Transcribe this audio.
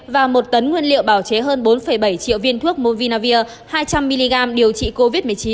và một tấn nguyên liệu bảo chế hơn bốn bảy triệu viên thuốc movinavir hai trăm linh mg điều trị covid một mươi chín